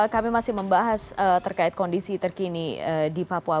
kami masih membahas terkait kondisi terkini di papua